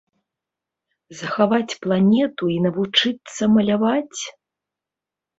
Захаваць планету і навучыцца маляваць?